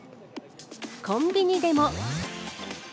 コンビニでも。